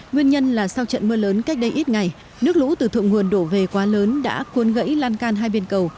nguyên nhân là sau trận mưa lớn cách đây ít ngày nước lũ từ thượng nguồn đổ về quá lớn đã cuốn gãy lan can hai bên cầu